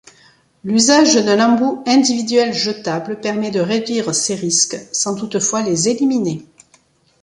L'usage d'un embout individuel jetable permet de réduire ces risques sans toutefois les éliminer.